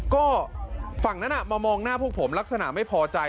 ก็ฝั่งนั้นมามองหน้าพวกผมลักษณะไม่พอใจ